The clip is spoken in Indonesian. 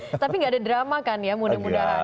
tapi gak ada drama kan ya mudah mudahan